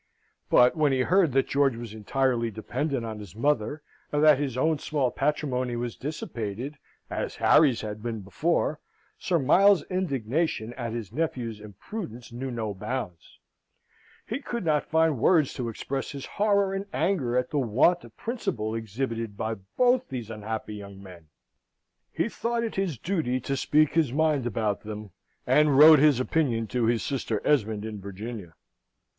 But when he heard that George was entirely dependent on his mother, and that his own small patrimony was dissipated, as Harry's had been before, Sir Miles's indignation at his nephew's imprudence knew no bounds; he could not find words to express his horror and anger at the want of principle exhibited by both these unhappy young men: he thought it his duty to speak his mind about them, and wrote his opinion to his sister Esmond in Virginia.